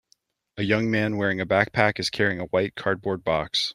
A young man wearing a backpack is carrying a white, cardboard box.